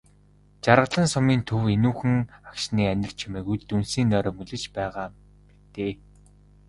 Жаргалан сумын төв энүүхэн агшны анир чимээгүйд дүнсийн нойрмоглож байгаа мэтээ.